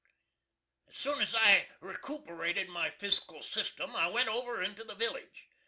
As soon as I'd recooperated my physikil system, I went over into the village.